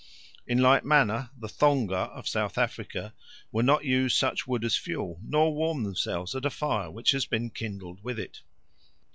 In like manner the Thonga of South Africa will not use such wood as fuel nor warm themselves at a fire which has been kindled with it.